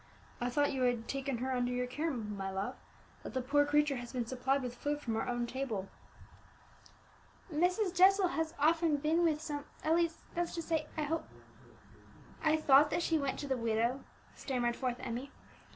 "I thought that you had taken her under your care, my love, that the poor creature has been supplied with food from our own table." "Mrs. Jessel has often been with some at least that's to say I hoped I thought that she went to the widow," stammered forth Emmie.